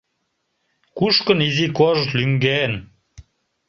Кушкын изи кож лӱҥген.